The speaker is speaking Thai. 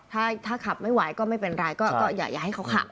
ถ้าขับไม่ไหวก็ไม่เป็นไรก็อย่าให้เขาขับ